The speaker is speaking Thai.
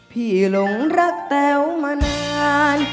พี่หลงรักแก้วมานาน